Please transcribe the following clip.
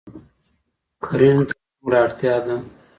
کرنې ته څومره اړتیا ده؟